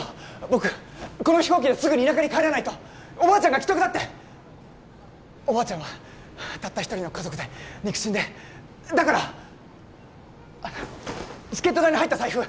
僕この飛行機ですぐに田舎に帰らないとおばあちゃんが危篤だっておばあちゃんはたった１人の家族で肉親でだからチケット代の入った財布